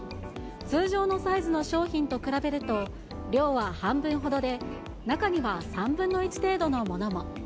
通常のサイズの商品と比べると、量は半分ほどで、中には３分の１程度のものも。